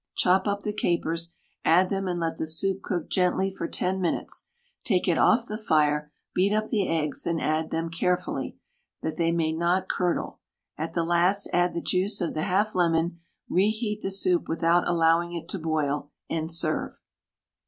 Chop up the capers, add them and let the soup cook gently for 10 minutes; take it off the fire, beat up the eggs and add them carefully, that they may not curdle; at the last add the juice of the half lemon, re heat the soup without allowing it to boil, and serve.